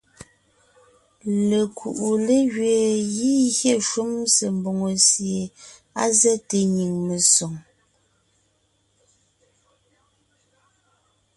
Lekuʼu légẅeen gígyé shúm se mbòŋo sie á zɛ́te nyìŋ mesoŋ.